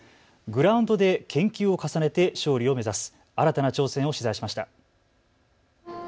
グラウンドで研究を重ねて勝利を目指す新たな挑戦を取材しました。